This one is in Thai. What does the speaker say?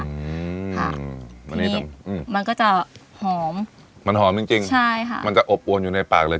อันนี้มันก็จะหอมมันหอมจริงจริงใช่ค่ะมันจะอบอวนอยู่ในปากเลย